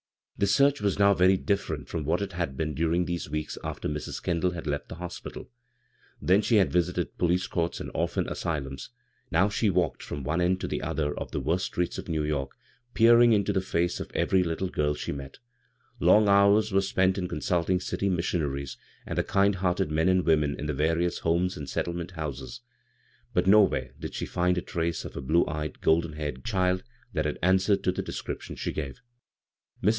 The search now was very different from what it had been during those weeks after Mrs. Kendall had left the hospital. Then she had visited police courts and orphan asylums ; now she walked from one end to the other of the worst streets of New York, peering into the face of every little girl she met Long hours were spent in consulting dty mission aries and the kind hearted men and women in the various Homes and Settlement Houses ; but nowhere did she find a trace of a blue eyed, golden haired child that answered to the description she gave. Mrs.